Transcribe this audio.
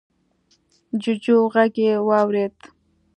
جوجو غږ يې واورېد.